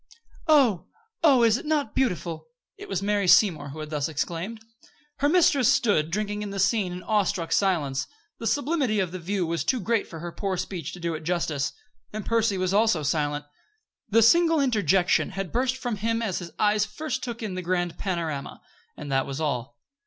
"Oh! Oh, is it not beautiful!" It was Mary Seymour who had thus exclaimed. Her mistress stood, drinking in the scene in awestruck silence. The sublimity of the view was too great for her poor speech to do it justice. And Percy was also silent. The single interjection had burst from him as his eyes first took in the grand panorama, and that was all.